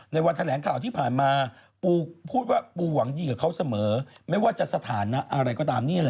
วันแถลงข่าวที่ผ่านมาปูพูดว่าปูหวังดีกับเขาเสมอไม่ว่าจะสถานะอะไรก็ตามนี่แหละ